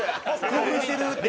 「興奮してる」って。